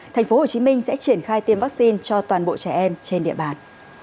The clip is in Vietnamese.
tp hcm sẽ triển khai tiêm vaccine cho toàn bộ trẻ em trên địa bàn